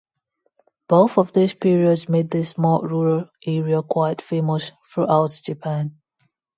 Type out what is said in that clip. Both of these periods made this small rural area quite famous throughout Japan.